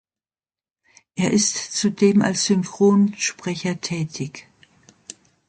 Er ist zudem als Synchronsprecher tätig.